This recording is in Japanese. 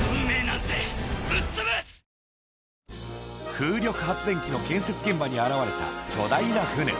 風力発電機の建設現場に現れた巨大な船。